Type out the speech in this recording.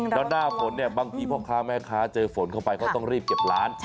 แล้วหน้าฝนเนี่ยบางทีพ่อค้าแม่ค้าเจอฝนเข้าไปก็ต้องรีบเก็บร้าน